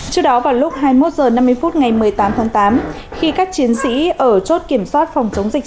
trước đó vào lúc hai mươi một h năm mươi phút ngày một mươi tám tháng tám khi các chiến sĩ ở chốt kiểm soát phòng chống dịch